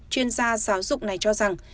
chuyên gia giáo dục này cho rằng